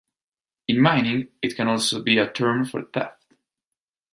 In mining, it can also be a term for theft.